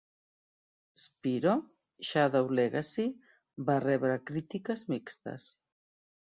"Spyro: Shadow Legacy" va rebre crítiques mixtes.